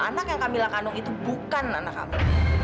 anak yang kamila kandung itu bukan anak kamu